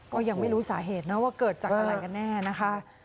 ก็ยังไม่รู้สาเหตุนะว่าเกิดจากอะไรกันแน่นะคะ